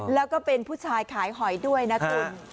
แล้วก็เป็นผู้ชายขายหอยด้วยนะคุณ